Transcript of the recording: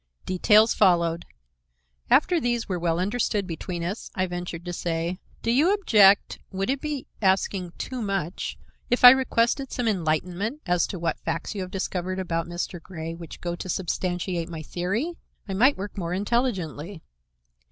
Details followed. After these were well understood between us, I ventured to say: "Do you object—would it be asking too much—if I requested some enlightenment as to what facts you have discovered about Mr. Grey which go to substantiate my theory? I might work more intelligently."